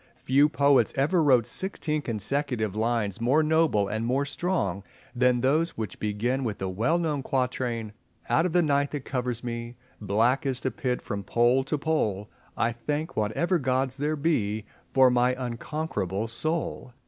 Few poets ever wrote sixteen consecutive lines more noble and more strong than those which begin with the well known quatrain— "Out of the night that covers me, Black as the pit from Pole to Pole, I thank whatever Gods there be For my unconquerable soul."